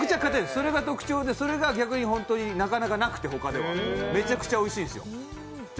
それが特徴で、それが他でなかなかなくて、めちゃくちゃおいしいんですよ。